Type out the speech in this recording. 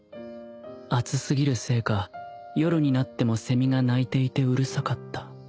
暑すぎるせいか夜になってもセミが鳴いていてうるさかった